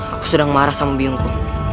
aku sudah marah sama biungku